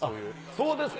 そうですか。